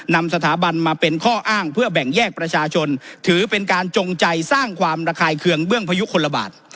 นำสถาบันมาเป็นข้ออ้างเพื่อแบ่งแยกประชาชนถือเป็นการจงใจสร้างความระคายเคืองเบื้องพยุคนละบาท